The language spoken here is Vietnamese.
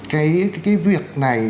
cái việc này